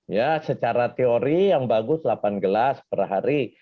ya secara teori yang bagus delapan gelas per hari